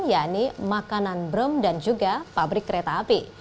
yakni makanan brem dan juga pabrik kereta api